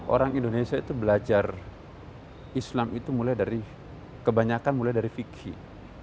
orang indonesia itu belajar islam itu mulai dari kebanyakan mulai dari fikih